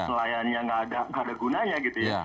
selayaninya nggak ada gunanya gitu ya